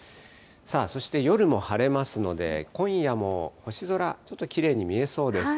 そして夜も晴れますので、今夜も星空、ちょっときれいに見えそうです。